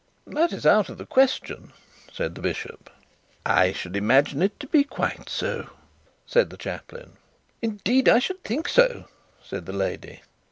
'That is out of the question,' said the bishop. 'I should imagine it to be quite so,'said the chaplain. 'Indeed, I should think so,' said the lady.